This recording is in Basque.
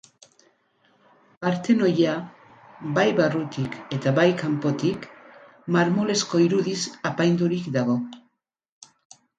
Partenoia, bai barrutik, eta bai kanpotik, marmolezko irudiz apaindurik dago.